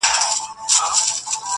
پر خپله مېنه د بلا لښکري.!